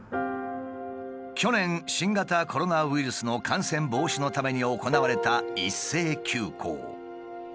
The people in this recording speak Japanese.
去年新型コロナウイルスの感染防止のために行われた一斉休校。